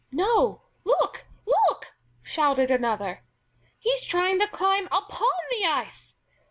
"No; look, look!" shouted another. "He's trying to climb upon the ice.